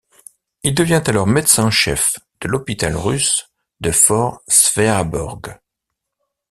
Il devient alors médecin chef de l’hôpital russe de fort Sveaborg.